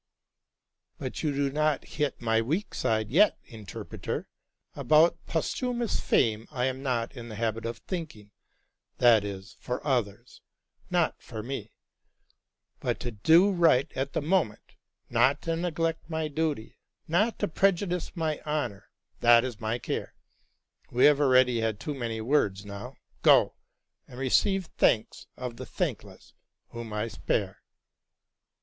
'' But you do not hit my weak side yet, interpreter. About posthumous fame I am not in the habit of thinking; that is for others, not for me: but to do right at the moment, not to neglect my duty, not to prejudice my honor, — that is my care. We have already had too many words ; now go — and receive the thanks of the thankless, whom I spare."